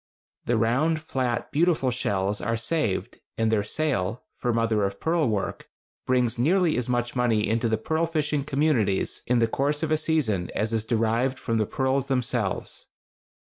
The round, flat, beautiful shells are saved, and their sale (for mother of pearl work) brings nearly as much money into the pearl fishing communities in the course of a season as is derived from the pearls themselves.